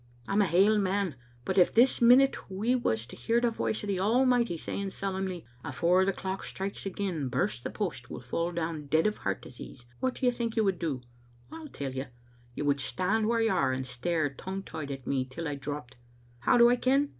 Tm a hale man, but if this minute we was to hear the voice o* the Almighty saying solemnly, * Afore the clock strikes again, Birse, the post, will fall down dead of heart disease, ' what do you think you would do? TU tell you. You would stand whaur you are, and stare, tongue tied, at me till I dropped. How do I ken?